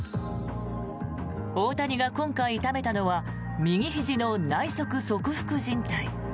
大谷が今回痛めたのは右ひじの内側側副じん帯。